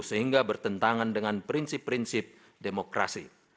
sehingga bertentangan dengan prinsip prinsip demokrasi